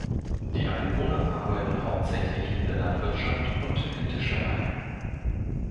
Die Einwohner arbeiten hauptsächlich in der Landwirtschaft und in Tischlereien.